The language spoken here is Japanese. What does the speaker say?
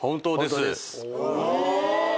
え！